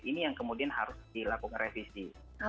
ini yang kemudian harus dilakukan revisi